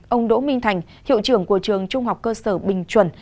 ông đỗ minh thành hiệu trưởng của trường trung học cơ sở bình chuẩn